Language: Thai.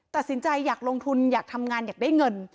ตัดสินใจอยากลงทุนอยากทำงานอยากได้เงิน